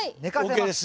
ＯＫです